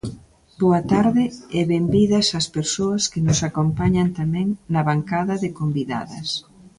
Boa tarde e benvidas as persoas que nos acompañan tamén na bancada de convidadas.